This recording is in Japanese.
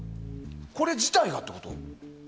これ自体がってこと？